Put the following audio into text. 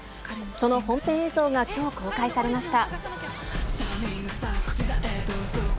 その本編映像がきょう、公開されました。